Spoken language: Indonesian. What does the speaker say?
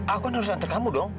aku harus antar kamu dong